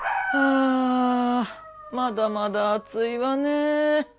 あまだまだ暑いわね。